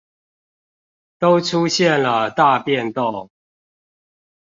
都出現了大變動